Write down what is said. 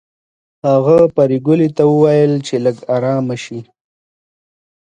هغه پريګلې ته وویل چې لږه ارامه شي